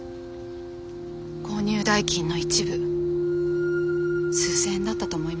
購入代金の一部数千円だったと思います。